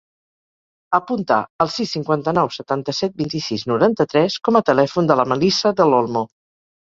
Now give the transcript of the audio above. Apunta el sis, cinquanta-nou, setanta-set, vint-i-sis, noranta-tres com a telèfon de la Melissa Del Olmo.